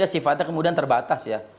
sifatnya kemudian terbatas ya